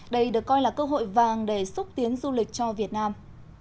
đây được coi là cơ hội vàng để xúc tiến du lịch cho việt nam